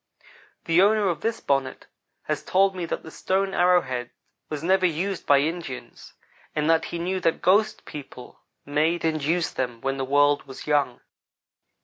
The owner of this bonnet has told me that the stone arrow head was never used by Indians, and that he knew that ghost people made and used them when the world was young.